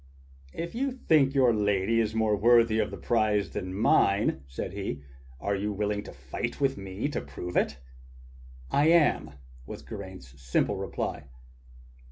"If you think your lady more worthy of the prize than mine," said he, "are you willing to fight with me to prove it.?*" "I am," was Geraint's simple reply.